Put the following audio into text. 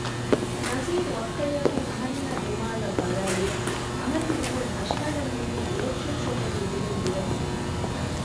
ނަޒީރު ވައްކަޅިއަކުން އަހަރެންނާ ދިމާއަށް ބަލައިލިއެވެ އަހަރެންގެ މުޅި ހަށިގަނޑަށް ހީވީ އިލެކްޓްރިކް ޝޮކެއް ލިބިގެން ދިޔަހެން